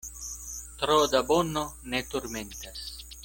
Tro da bono ne turmentas.